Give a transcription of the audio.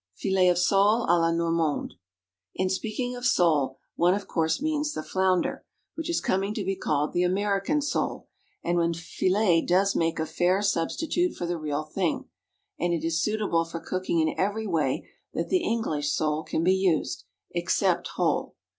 Fillet of Sole à la Normande. In speaking of sole, one of course means the flounder, which is coming to be called the American sole, and when filleted does make a fair substitute for the real thing, and it is suitable for cooking in every way that the English sole can be used, except whole.